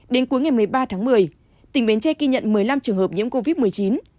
đến cuối ngày một mươi ba tháng một mươi tỉnh bến tre ghi nhận một mươi năm trường hợp nhiễm covid một mươi chín